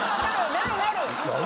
なるなる。